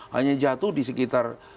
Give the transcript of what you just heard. hanya jatuh di sekitar